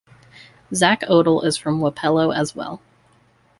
Zach Odle Is from Wapello as well.